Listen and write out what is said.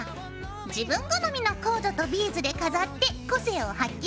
自分好みのコードとビーズで飾って個性を発揮してね！